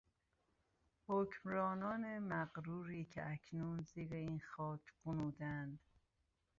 حکمرانان مغروری که اکنون زیر این خاک غنودهاند